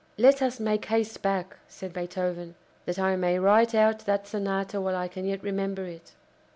"Let us make haste back," said Beethoven, "that I may write out that Sonata while I can yet remember it."